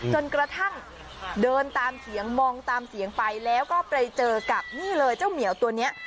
จนกระทั่งเดินตามเถียงมองตามเสียงไปแล้วก็ไปเจอกับนี่เลยเจ้าเหมียวตัวนี้